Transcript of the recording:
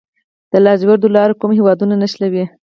د لاجوردو لاره کوم هیوادونه نښلوي؟